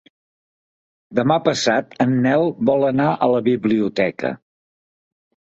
Demà passat en Nel vol anar a la biblioteca.